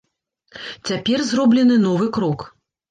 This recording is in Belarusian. Цяпер зроблены новы крок.